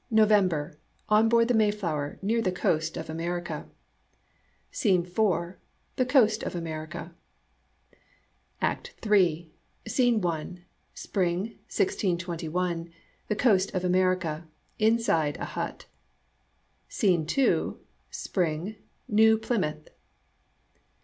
November. On board the Mayflower near the coast of America. SCENE IV. The coast of America. ACT III SCENE I. Spring, 1621. The coast of America. In side a hut. SCENE II. Spring. New Plymouth.